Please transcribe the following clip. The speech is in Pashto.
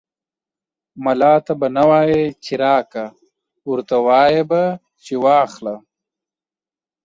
ملا ته به نه وايي چې راکه ، ورته وايې به چې واخله.